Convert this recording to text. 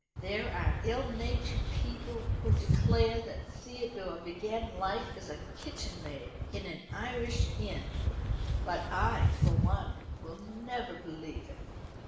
There are ill natured people who declare that Theodore began life as kitchen maid in an Irish inn, but I, for one, will never believe it.